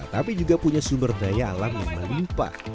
tapi juga punya sumber daya alam yang melimpah